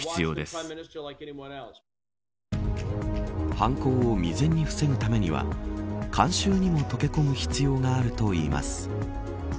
犯行を未然に防ぐためには観衆にも溶け込む必要があるといいます。